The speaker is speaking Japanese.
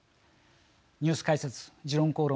ニュース解説「時論公論」